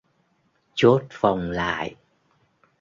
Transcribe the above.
Chốt phòng lại